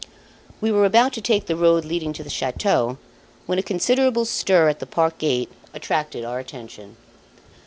We were about to take the road leading to the chateau, when a considerable stir at the park gate attracted our attention.